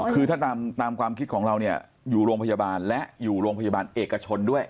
คือถ้าตามความคิดของเราเนี่ยอยู่โรงพยาบาลและอยู่โรงพยาบาลเอกชนด้วย